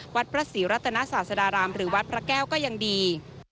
วัดพระศรีรัตนศาสดารามหรือวัดพระแก้วก็ยังดี